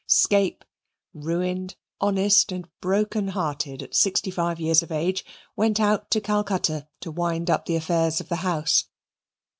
Scape, ruined, honest, and broken hearted at sixty five years of age, went out to Calcutta to wind up the affairs of the house.